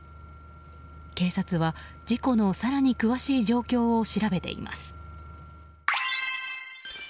警察は事故の更に詳しい状況を調べています。